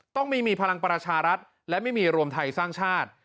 ต้องไม่มีพลังประชารัฐและไม่มีรวมไทยสร้างชาติ